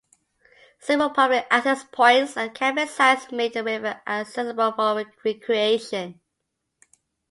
Several public access points and camping sites make the river accessible for recreation.